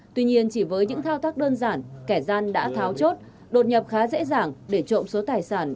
tuy nhiên chỉ với những thao tác đơn giản kẻ gian đã tháo chốt đột nhập khá dễ dàng để trộm số tài sản